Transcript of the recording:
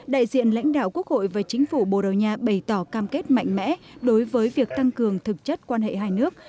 đại diện lãnh đạo quốc hội và chính phủ bồ đầu nha bày tỏ cam kết mạnh mẽ đối với việc tăng cường thực chất quan hệ hai nước